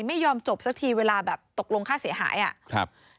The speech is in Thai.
ไม่ยอมจบสักทีเวลาตกลงค่าเสียหาย